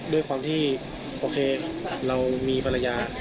ด้วยความที่โอเคเรามีภรรยา